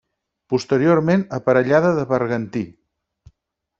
Posteriorment aparellada de bergantí.